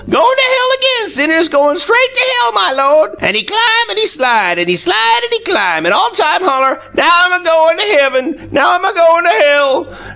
Goin' to hell agin, sinnuhs! Goin' straight to hell, my Lawd!' An' he clim an' he slide, an' he slide, an' he clim, an' all time holler: 'Now 'm a goin' to heavum; now 'm a goin' to hell!